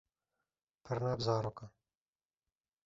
Pir ne bi zarokan